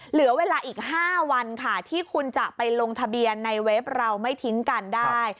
เหลือเวลาอีก๕วันค่ะที่คุณจะไปลงทะเบียนในเว็บเราไม่ทิ้งกันได้